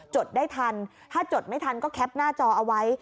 ดได้ทันถ้าจดไม่ทันก็แคปหน้าจอเอาไว้